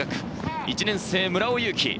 １年生・村尾雄己。